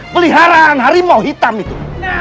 peliharaan harimau hitam itu